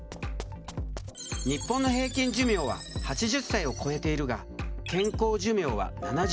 日本の平均寿命は８０歳を超えているが健康寿命は７０代。